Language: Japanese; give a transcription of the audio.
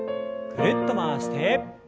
ぐるっと回して。